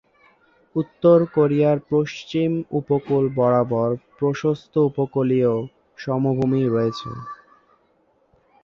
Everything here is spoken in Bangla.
উত্তর কোরিয়ার পশ্চিম উপকূল বরাবর প্রশস্ত উপকূলীয় সমভূমি রয়েছে।